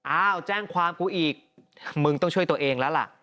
อ้าวแจ้งความกูอีกมึงต้องช่วยตัวเองแล้วล่ะ